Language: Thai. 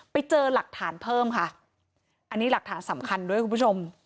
ไปเจอหลักฐานเพิ่มค่ะอันนี้หลักฐานสำคัญด้วยคุณผู้ชม